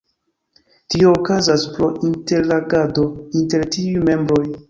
Tio okazas pro interagado inter tiuj membroj.